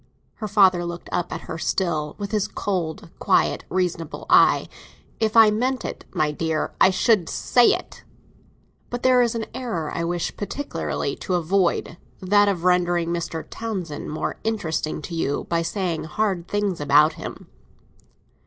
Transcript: Her father looked up at her still, with his cold, quiet reasonable eye. "If I meant it, my dear, I should say it! But there is an error I wish particularly to avoid—that of rendering Mr. Townsend more interesting to you by saying hard things about him."